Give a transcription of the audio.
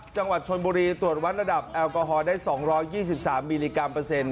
จังหวัดชนบุรีตรวจวัดระดับแอลกอฮอลได้๒๒๓มิลลิกรัมเปอร์เซ็นต